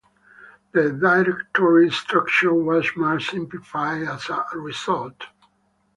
The directory structure was much simplified as a result.